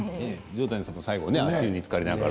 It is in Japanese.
条谷さんも最後足湯につかりながら。